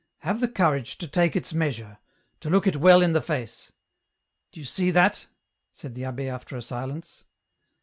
Have the courage to take its measure, to look it well in the face. Do you see that ?" said the abb^ after a silence.